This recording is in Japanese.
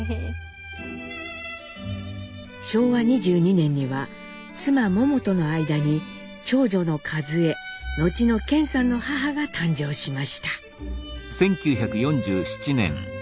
昭和２２年には妻モモとの間に長女の和江後の顕さんの母が誕生しました。